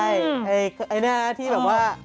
อย่างนั้นไหนใช่ไหม